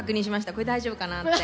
これ大丈夫かなって。